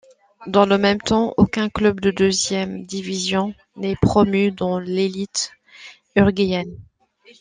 Dans le même temps aucun club de deuxième division n’est promu dans l’élite uruguayenne.